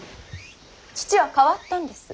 父は変わったんです。